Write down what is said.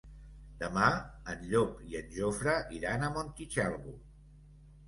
Demà en Llop i en Jofre iran a Montitxelvo.